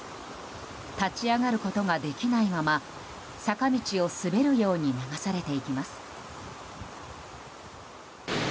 立ち上がることができないまま坂道を滑るように流されていきます。